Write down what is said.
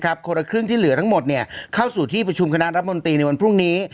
คนละครึ่งที่เหลือทั้งหมดเข้าสู่ที่ประชุมคณะรัฐมนตรีในวันพรุ่งนี้